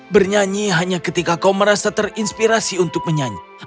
bernyanyi hanya ketika kau merasa terinspirasi untuk menyanyi